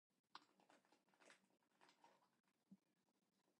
The sculpture themes range from vegetal motifs to scenes with animals and human figures.